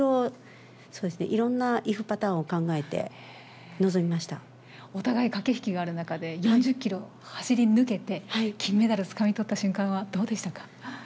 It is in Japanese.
いろんないくパターンを考えて臨お互い、駆け引きがある中で４０キロ走り抜けて、金メダルつかみ取った瞬間はどうでしたか？